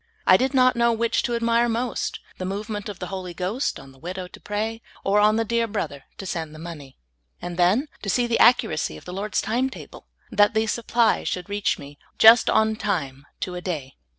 I did not know which to admire most, the movement of the Holy Ghost on the widow to pray, or on the dear brother to send the money. And then to see the accuracy of the lyord's time table, that the sup ply should reach me just on time to a day.